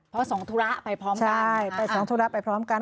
เพราะส่งธุระไปพร้อมกันค่ะใช่ส่งธุระไปพร้อมกัน